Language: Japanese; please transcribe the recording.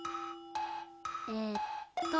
えっと。